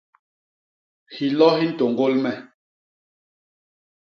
Hilo hi ntôñgôl me.